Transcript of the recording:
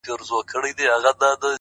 د خوبونو له گردابه يې پرواز دی _